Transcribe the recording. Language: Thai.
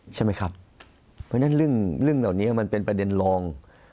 เพราะงั้นเรื่องเหล่านี้มันเป็นประเด็นลอง